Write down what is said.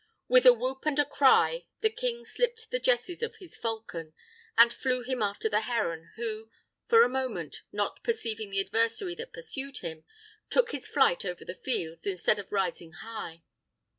With a whoop and a cry the king slipped the jesses of his falcon, and flew him after the heron, who, for a moment, not perceiving the adversary that pursued him, took his flight over the fields, instead of rising high.